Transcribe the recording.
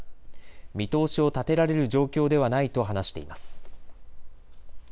見通しを立てられる状況ではないと話しています。